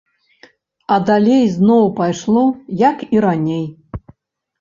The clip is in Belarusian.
А далей зноў пайшло, як і раней.